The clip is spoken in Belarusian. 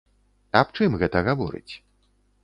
Аб чым гэта гаворыць?